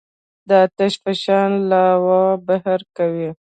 د آتش فشان لاوا بهر کوي.